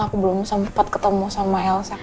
aku belum sempat ketemu sama elsa